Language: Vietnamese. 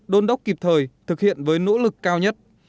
đôn đốc kịp thời thực hiện với nỗ lực cao nhất